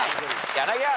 柳原。